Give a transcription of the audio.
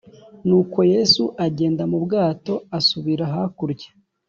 nuko yesu agenda mu bwato asubira hakurya